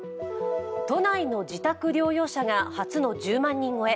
都内の自宅療養者が初の１０万人超え。